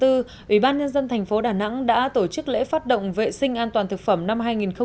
ủy ban nhân dân thành phố đà nẵng đã tổ chức lễ phát động vệ sinh an toàn thực phẩm năm hai nghìn hai mươi